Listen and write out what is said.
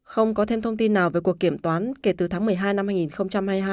không có thêm thông tin nào về cuộc kiểm toán kể từ tháng một mươi hai năm hai nghìn hai mươi hai